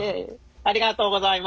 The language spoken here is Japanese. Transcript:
ありがとうございます。